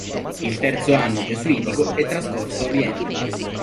Il Terzo Anno gesuitico è trascorso a Vienna.